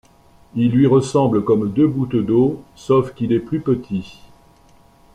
Il lui ressemble comme deux gouttes d'eau sauf qu'il est plus petit.